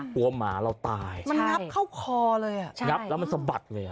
หมาเราตายมันงับเข้าคอเลยอ่ะใช่งับแล้วมันสะบัดเลยอ่ะ